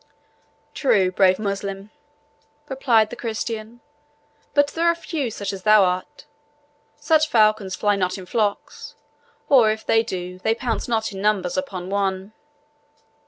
"True, brave Moslem," replied the Christian; "but there are few such as thou art. Such falcons fly not in flocks; or, if they do, they pounce not in numbers upon one."